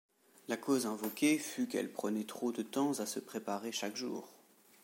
La cause invoquée fut qu'elle prenait trop de temps à se préparer chaque jour.